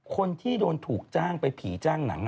คนที่โดนถูกจ้างไปผีจ้างหนัง